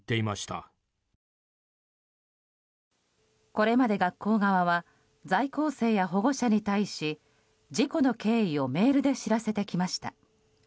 これまで学校側は在校生や保護者に対し事故の経緯をメールで知らせてきました。